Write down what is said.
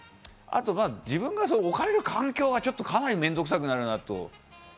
あと自分の置かれる環境がかなり面倒くさくなるなと。